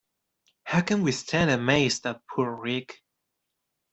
How can we stand amazed at poor Rick?